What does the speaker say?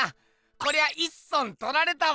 こりゃいっそんとられたわ。